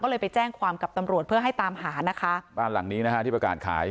ก็เลยไปแจ้งความกับตำรวจเพื่อให้ตามหานะคะบ้านหลังนี้นะฮะที่ประกาศขาย